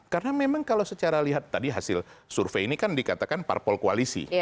karena memang kalau secara lihat tadi hasil survei ini kan dikatakan parpol koalisi